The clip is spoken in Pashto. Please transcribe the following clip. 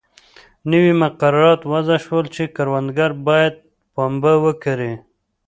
نوي مقررات وضع شول چې کروندګر باید پنبه وکري.